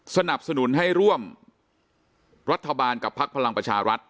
สนับสนุนให้ร่วมรัฐบาลกับพักพลังประชารัฐ